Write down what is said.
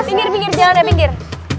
pinggir pinggir jangan ke pinggir